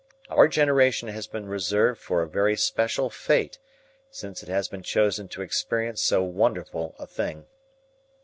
Our generation has been reserved for a very special fate since it has been chosen to experience so wonderful a thing.